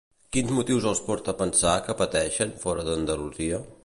Quin motiu els porta a pensar que pateixen fora d'Andalusia?